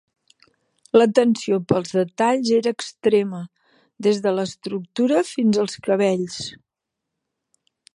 L'atenció pels detalls era extrema, des de l'estructura fins als cabells.